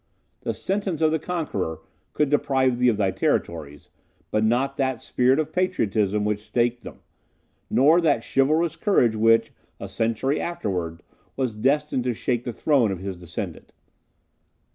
The sentence of the conqueror could deprive thee of thy territories, but not that spirit of patriotism which staked them, nor that chivalrous courage which, a century afterwards, was destined to shake the throne of his descendant.